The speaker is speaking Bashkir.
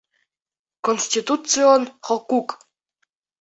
Конституцион хоҡуҡ